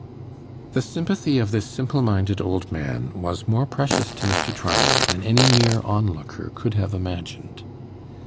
The sympathy of this simple minded old man was more precious to Mr. Tryan than any mere onlooker could have imagined.